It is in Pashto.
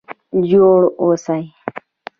جوړ اوسئ؟